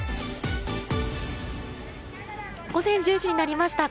午前１０時になりました。